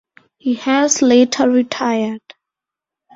He has later retired.